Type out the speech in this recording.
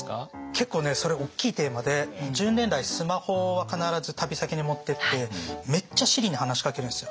結構ねそれ大きいテーマで１０年来スマホは必ず旅先に持ってってめっちゃＳｉｒｉに話しかけるんですよ。